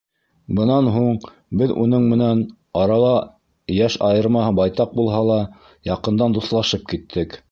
Бынан һуң беҙ уның менән, арала йәш айырмаһы байтаҡ булһа ла, яҡындан дуҫлашып киттек.